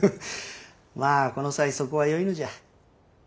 まぁこの際そこはよいのじゃ。